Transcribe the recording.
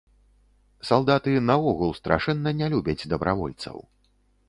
Салдаты наогул страшэнна не любяць дабравольцаў.